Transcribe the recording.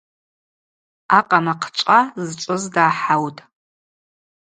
Акъама хъчӏва зчӏвыз дгӏахӏаутӏ.